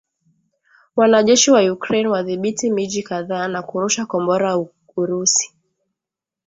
Wanajeshi wa Ukraine wadhibithi miji kadhaa na kurusha Kombora Urusi